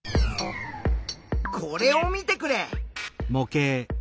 これを見てくれ。